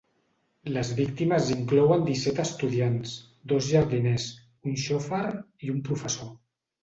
Les víctimes inclouen disset estudiants, dos jardiners, un xòfer i un professor.